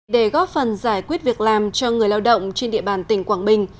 để góp phần giải quyết việc làm cho người lao động trên địa bàn tỉnh quảng bình